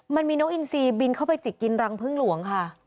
มันมีน้องอินซีบินเข้าไปจิกกินรังพึ่งหลวงค่ะ